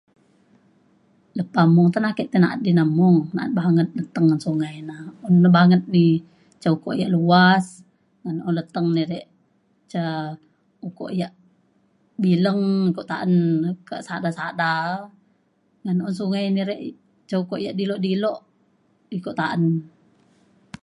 Lepa mung te ake ti na’at di na mung na’at banget leteng ngan sungai na un ba banget di ca ukok yak luas ngan un leteng di re ca ukok yak bileng ko ta’an na kak sada sada e ngan un sungai ni re ca ukok yak dilok dilok iko ta’an.